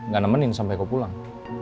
gak nemenin sampe aku pulang